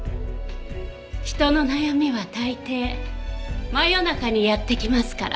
人の悩みは大抵真夜中にやってきますから。